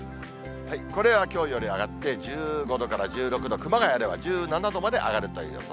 これはきょうより上がって１５度から１６度、熊谷では１７度まで上がるという予想。